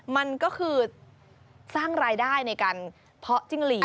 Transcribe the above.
มันก็คือสร้างรายได้ในการเพาะจิ้งหลี